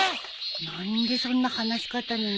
何でそんな話し方になるの。